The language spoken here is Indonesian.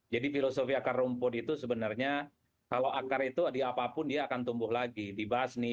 jadi filosofi akar rumput itu sebenarnya kalau akar itu diapapun dia akan tumbuh lagi dibasni